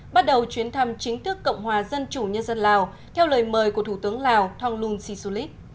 bắt đầu chuyến thăm chính thức cộng hòa dân chủ nhân dân lào theo lời mời của thủ tướng lào thonglun sisulit